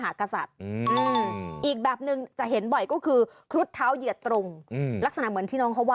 อันนั้นจดหมายส่วนตัว